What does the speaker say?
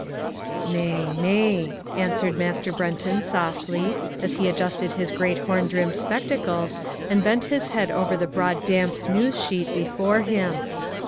"Nay, nay," answered Master Brenton softly, as he adjusted his great horn rimmed spectacles and bent his head over the broad damp news sheet before him.